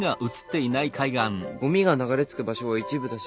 ゴミが流れ着く場所は一部だし